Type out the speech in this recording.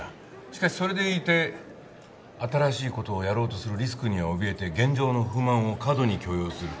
しかしそれでいて新しい事をやろうとするリスクにはおびえて現状の不満を過度に許容する。